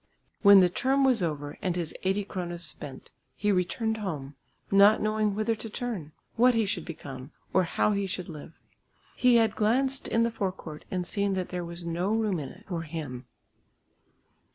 When the term was over and his 80 kronas spent, he returned home, not knowing whither to turn, what he should become, or how he should live. He had glanced in the forecourt and seen that there was no room in it for him.